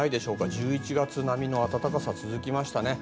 １１月並みの暖かさが続きましたね。